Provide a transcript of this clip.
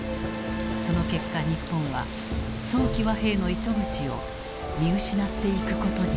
その結果日本は早期和平の糸口を見失っていくことになる。